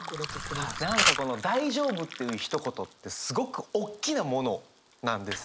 何かこの大丈夫っていうひと言ってすごくおっきなものなんですね。